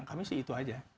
kami sih itu aja